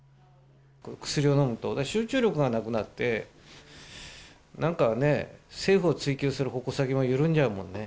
薬を飲むと、集中力がなくなって、なんかね、政治を追及する矛先も緩んじゃうもんね。